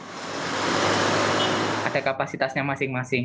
jadi kita harus menggunakan persyaratan yang masih masih